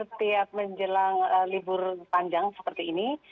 yang kami pastikan setiap menjelang libur panjang seperti ini